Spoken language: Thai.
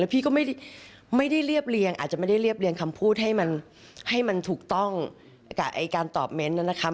พี่ก็ไม่ได้เรียบเรียงอาจจะไม่ได้เรียบเรียงคำพูดให้มันให้มันถูกต้องกับการตอบเมนต์นั้นนะคะ